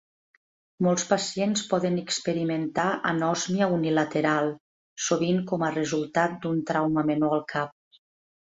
Molts pacients poden experimentar anòsmia unilateral, sovint com a resultat d'un trauma menor al cap.